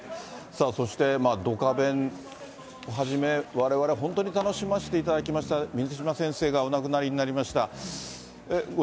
そしてドカベンはじめ、われわれは本当に楽しませていただきました水島先生がお亡くなりになりました。